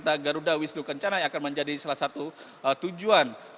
misalnya objek objek wisata garuda wisnu kencana yang akan menjadi salah satu tujuan